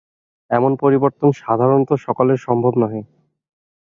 এমন পরিবর্তন সাধারণত সকলের সম্ভব নহে।